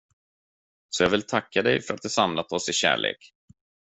Så jag vill tacka dig, för att du samlar oss i kärlek.